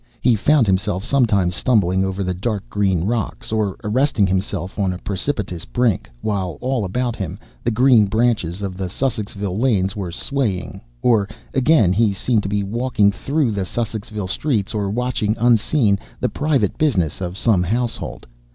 He found himself sometimes stumbling over the dark green rocks, or arresting himself on a precipitous brink, while all about him the green branches of the Sussexville lanes were swaying; or, again, he seemed to be walking through the Sussexville streets, or watching unseen the private business of some household.